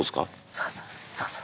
そうそうそうそう。